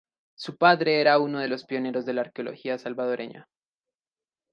Su padre era uno de los pioneros de la arqueología salvadoreña.